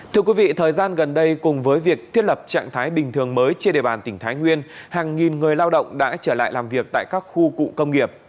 thưa quý vị thời gian gần đây cùng với việc thiết lập trạng thái bình thường mới trên địa bàn tỉnh thái nguyên hàng nghìn người lao động đã trở lại làm việc tại các khu cụ công nghiệp